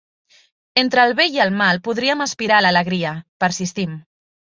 Entre el bé i el mal, podríem aspirar a l'alegria. Persistim.